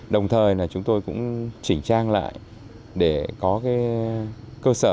đồng thời chúng tôi cũng chỉnh trang lại để có cơ sở giáo dục truyền thống